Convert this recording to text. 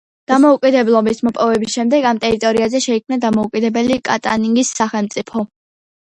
დამოუკიდებლობის მოპოვების შემდეგ ამ ტერიტორიაზე შეიქმნა დამოუკიდებელი კატანგის სახელმწიფო.